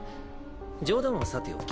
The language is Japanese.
冗談はさておき。